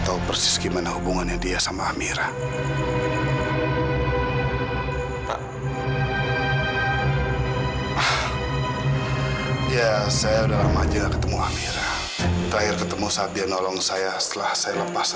tapi selama ini perasaan aku gak terbalas man